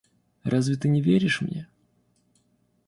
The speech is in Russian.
Разве ты не веришь мне?